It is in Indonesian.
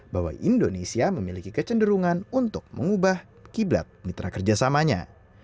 sehingga kemudian jika jepang memiliki kecenderungan untuk mengubah kiblat mitra kerjasamanya